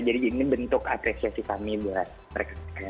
jadi ini bentuk apresiasi kami buat mereka